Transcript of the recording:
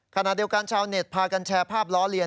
ขณะเดียวกันชาวเน็ตพากันแชร์ภาพล้อเลีย